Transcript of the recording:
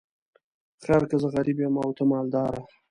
خیر که زه غریب یم او ته مالداره.